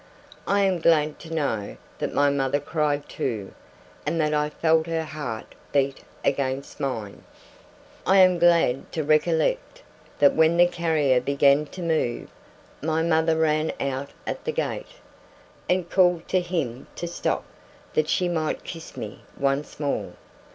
I am glad to know that my mother cried too, and that I felt her heart beat against mine. I am glad to recollect that when the carrier began to move, my mother ran out at the gate, and called to him to stop, that she might kiss me once more.